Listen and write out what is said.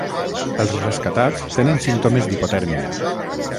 Els rescatats tenen símptomes d’hipotèrmia.